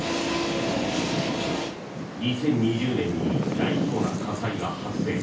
２０２０年に大規模な火災が発生。